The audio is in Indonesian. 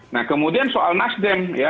nah kemudian soal nasdem ya